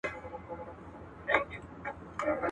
رقیبانو په پېغور ډېر په عذاب کړم.